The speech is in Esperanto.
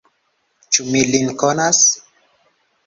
Ĉu mi lin konas?